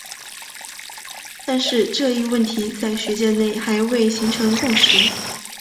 但是这一问题在学界内还未形成共识。